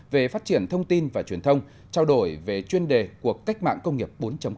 về phát triển thông tin và truyền thông trao đổi về chuyên đề cuộc cách mạng công nghiệp bốn